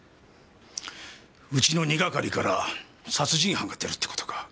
うちの二係から殺人犯が出るって事か！？